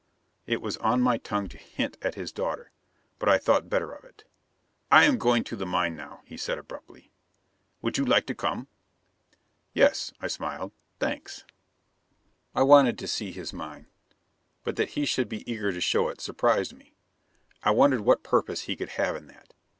It was on my tongue to hint at his daughter. But I thought better of it. "I am going to the mine now," he said abruptly. "Would you like to come?" "Yes," I smiled. "Thanks." I wanted to see his mine. But that he should be eager to show it, surprised me. I wondered what purpose he could have in that.